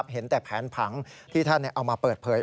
เห็นแต่แผนผังที่ท่านเอามาเปิดเผย